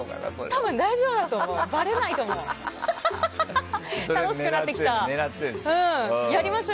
多分大丈夫だと思います。